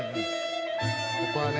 ここはね